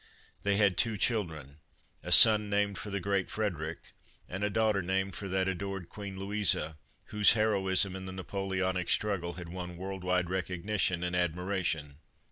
They had two children, a son named for the great Frederic and a daughter named for that adored Queen Louisa, whose heroism in the Napoleonic struggle had won world wide recognition and admiration.